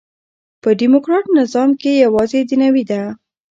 په ډيموکراټ نظام کښي یوازي دنیوي ده.